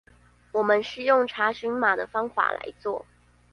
我們是用查詢碼的方法來做